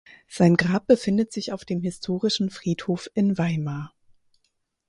Sein Grab befindet sich auf dem Historischen Friedhof in Weimar.